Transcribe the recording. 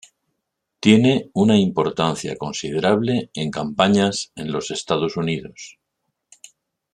Tiene una importancia considerable en campañas en los Estados Unidos.